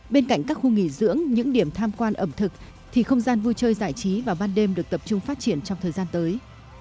bên cạnh các khu nghỉ dưỡng những điểm tham quan ẩm thực thì không gian vui chơi giải trí vào ban đêm được tập trung phát triển trong thời gian tới